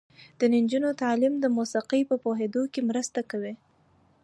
د نجونو تعلیم د موسیقۍ په پوهیدو کې مرسته کوي.